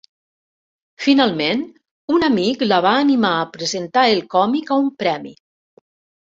Finalment, un amic la va animar a presentar el còmic a un premi.